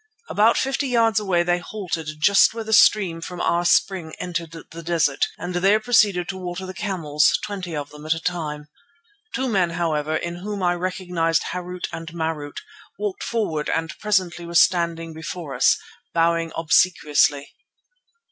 About fifty yards away they halted just where the stream from our spring entered the desert, and there proceeded to water the camels, twenty of them at a time. Two men, however, in whom I recognized Harût and Marût, walked forward and presently were standing before us, bowing obsequiously.